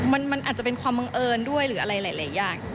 มันอาจจะเป็นความบังเอิญด้วยหรืออะไรหลายอย่าง